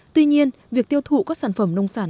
tuy nhiên việc tiêu thụ các sản phẩm nông sản